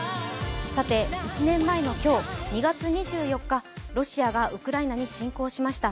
さて１年前の今日２月２４日、ロシアがウクライナに侵攻しました。